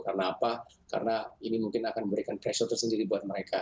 karena apa karena ini mungkin akan memberikan pressure tersendiri buat mereka